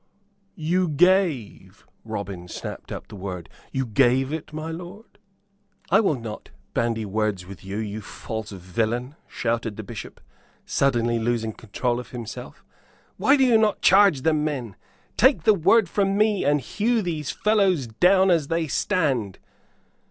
you gave?" Robin snapped up the word. "You gave it, my lord?" "I will not bandy words with you, you false villain," shouted the Bishop, suddenly losing control of himself. "Why do you not charge them, men? Take the word from me, and hew these fellows down as they stand."